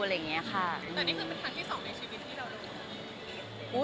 แต่นี่คือเป็นครั้งที่สองในชีวิตที่เรารู้สึก